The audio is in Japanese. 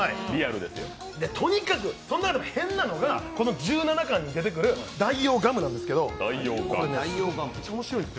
とにかく、変なのがこの１７巻に出てくる代用ガムなんですけど、めっちゃおもしろいんですよ。